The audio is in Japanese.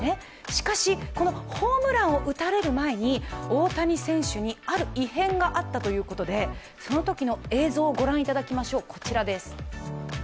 しかし、このホームランを打たれる前に大谷選手にある異変があったということでそのときの映像をご覧いただきましょう。